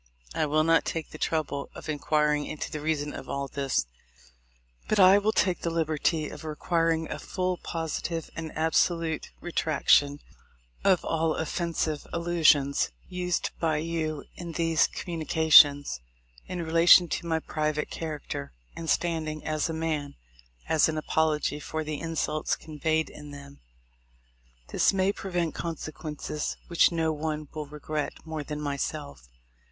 I will not take the trouble of inquiring into the reason of all this, but I will take the liberty of requiring a full, positive, and absolute re traction of all offensive allusions used by you in these communications, in relation to my private character and standing as a man, as an apology for the insults con veyed in them. This may prevent consequences which no one will regret more than myself.